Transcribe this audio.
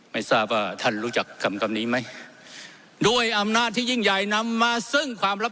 ไม่ทราบว่าท่านรู้จักคำกรรมนี้ไหมด้วยอำนาจที่ยิ่งใหญ่นำมาซึ่งความรับ